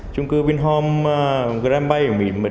trung cư vinhome grand bay